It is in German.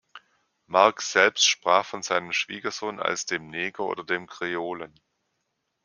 Marx selbst sprach von seinem Schwiegersohn als dem „Neger“ oder dem „Kreolen“.